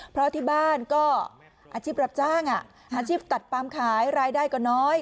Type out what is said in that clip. เพราะที่บ้านก็อาชีพรับจ้างอาชีพตัดปามขายรายได้ก็น้อย